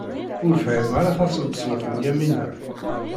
Ur fhimeɣ ara taseḍsut n Yamina.